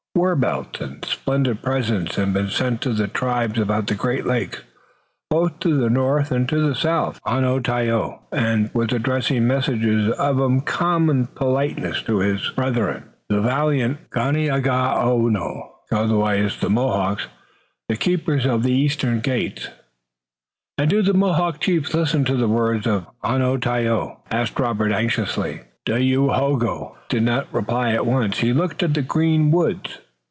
War belts and splendid presents had been sent to the tribes about the Great Lakes, both to the north and to the south, and Onontio was addressing messages of uncommon politeness to his brethren, the valiant Ganeagaono, otherwise the Mohawks, the Keepers of the Eastern Gate. "And do the Mohawk chiefs listen to the words of Onontio?" asked Robert anxiously. Dayohogo did not reply at once. He looked at the green woods.